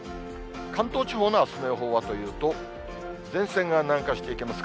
関東地方のあすの予報はというと、前線が南下していきます。